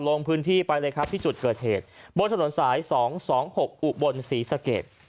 ลงพื้นที่ไปเลยครับที่จุดเกิดเหตุบนถนนสาย๒๒๖อุบลศรีสะเกด